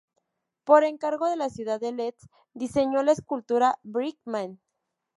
Por encargo de la ciudad de Leeds, diseñó la escultura Brick Man.